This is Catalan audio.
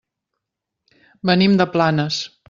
Venim de Planes.